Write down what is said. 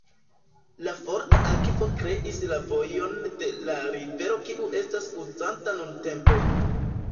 La forta akvo kreis la vojon de la rivero kiu estas uzanta nuntempe.